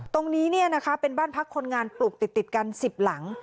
ตรงนี้เป็นบ้านพักคนงานปลูกติดกัน๑๐หลัง